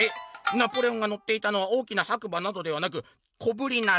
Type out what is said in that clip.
ナポレオンがのっていたのは大きな白馬などではなく小ぶりなラバ。